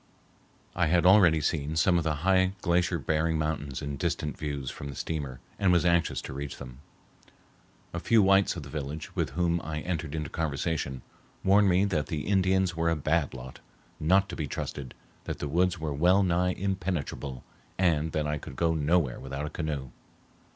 I had already seen some of the high glacier bearing mountains in distant views from the steamer, and was anxious to reach them. A few whites of the village, with whom I entered into conversation, warned me that the Indians were a bad lot, not to be trusted, that the woods were well nigh impenetrable, and that I could go nowhere without a canoe.